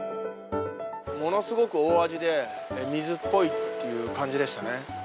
ものすごく大味で水っぽいっていう感じでしたね。